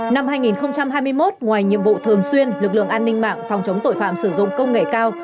năm hai nghìn hai mươi một ngoài nhiệm vụ thường xuyên lực lượng an ninh mạng phòng chống tội phạm sử dụng công nghệ cao